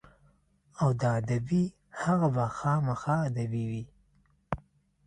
او د ادبي هغه به خامخا ادبي وي.